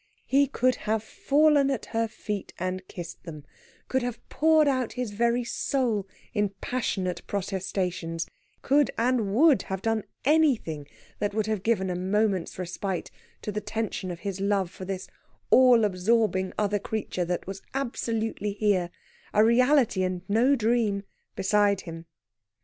He could have fallen at her feet and kissed them, could have poured out his very soul in passionate protestations, could and would have done anything that would have given a moment's respite to the tension of his love for this all absorbing other creature that was absolutely here a reality, and no dream beside him.